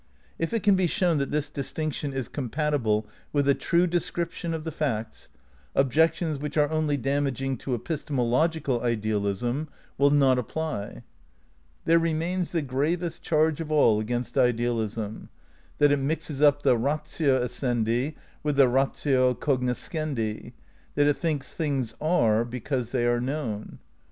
If it can be shown that this distinction is compatible with a true description of the facts, objections which are only dam aging to epistemological idealism will not apply. There remains the gravest charge of all against ideal ism: that it mixes up the ratio essendi with the ratio cognoscendi; that it thinks things are because they are known.